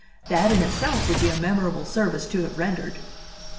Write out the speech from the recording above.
That in itself would be a memorable service to have rendered."